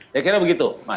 saya kira begitu